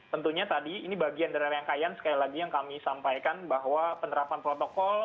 tentunya tadi ini bagian dari rangkaian sekali lagi yang kami sampaikan bahwa penerapan protokol